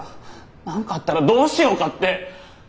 何かあったらどうしようかって。